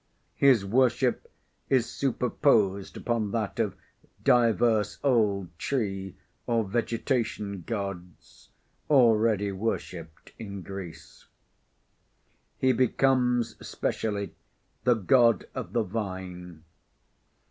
His worship is superposed upon that of divers old Tree or Vegetation Gods, already worshipped in Greece. He becomes specially the God of the Vine.